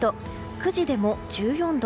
９時でも１４度。